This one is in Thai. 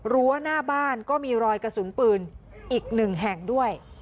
รั้วหน้าบ้านก็มีรอยกระสุนปืนอีกหนึ่งแห่งด้วย